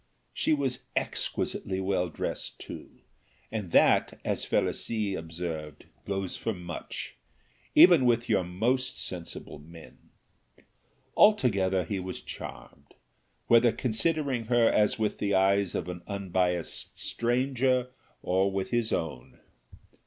She was exquisitely well dressed too, and that, as Felicie observed, goes for much, even with your most sensible men. Altogether he was charmed, whether considering her as with the eyes of an unbiased stranger or with his own.